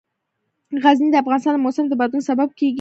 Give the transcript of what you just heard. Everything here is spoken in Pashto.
غزني د افغانستان د موسم د بدلون سبب کېږي.